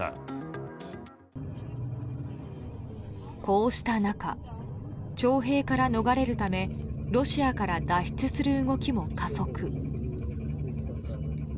こうした中徴兵から逃れるためロシアから脱出する動きも加速。